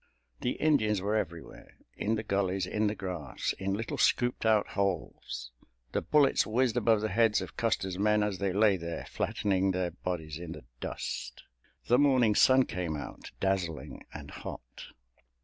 The Indians were everywhere—in the gullies, in the grass, in little scooped out holes. The bullets whizzed above the heads of Custer's men as they lay there, flattening their bodies in the dust. The morning sun came out, dazzling and hot.